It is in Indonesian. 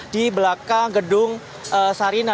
di belakang gedung sarina